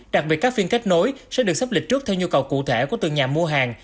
đặc biệt các phiên kết nối sẽ được sắp lịch trước theo nhu cầu cụ thể của từng nhà mua hàng